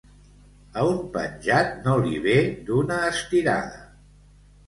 A un penjat no li ve d'una estirada.